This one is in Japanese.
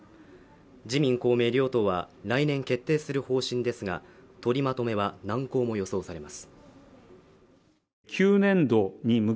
自民・公明両党は来年決定する方針ですが取りまとめは難航も予想されます